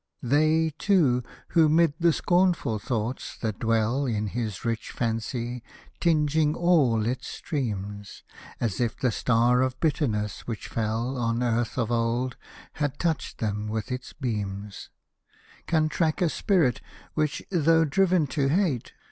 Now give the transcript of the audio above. They, too, who, 'mid the scornful thoughts that dwell In his rich fancy, tinging all its streams, — As if the Star of Bitterness, which fell On earth of old, had touched them with its beams, — Can track a spirit, which, though driven to hate.